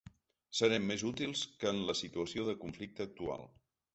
Serem més útils que en la situació de conflicte actual.